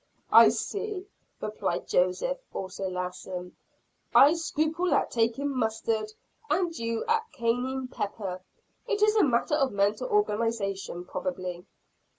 "I see," replied Joseph, also laughing. "I scruple at taking mustard, and you at cayenne pepper. It is a matter of mental organization probably."